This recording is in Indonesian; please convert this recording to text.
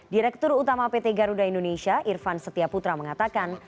direktur utama pt garuda indonesia irvan setiaputra mengatakan